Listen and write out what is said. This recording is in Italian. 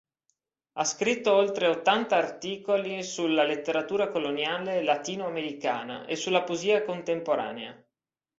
Ha scritto oltre ottanta articoli sulla letteratura coloniale latino-americana e sulla poesia contemporanea.